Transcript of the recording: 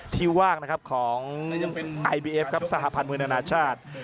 ที่ว่างของไอบีเอฟสหพาลมือนาธาตุ